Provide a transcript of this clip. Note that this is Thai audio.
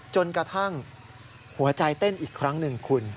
จนกระทั่งหัวใจเต้นอีกครั้งหนึ่งคุณ